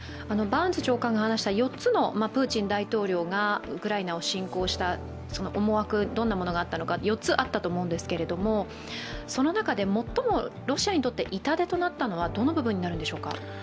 バーンズ長官が話した４つのプーチン大統領がウクライナを侵攻した思惑、どんなものがあったのか４つあったと思うんですけれども、その中で最もロシアにとって痛手となったのはどの部分になるんでしょうか？